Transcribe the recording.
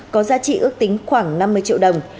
có giá trị ước tính khoảng năm mươi triệu đồng